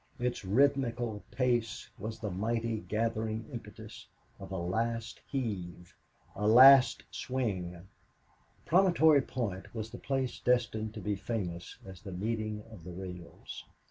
Its rhythmical pace was the mighty gathering impetus of a last heave, a last swing. Promontory Point was the place destined to be famous as the meeting of the rails.